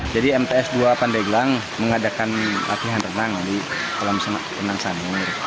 jadi mts dua pandeglang mengadakan latihan renang di kolam senang senang